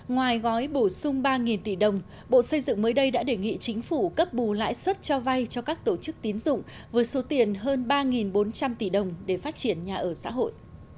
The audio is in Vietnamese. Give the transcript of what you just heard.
ngoài gói bổ sung ba tỷ đồng bộ xây dựng mới đây đã đề nghị chính phủ cấp bù lãi suất cho vay cho các tổ chức tín dụng với số tiền hơn ba bốn trăm linh tỷ đồng để phát triển nhà ở xã hội